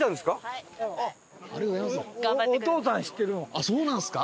ああそうなんですか？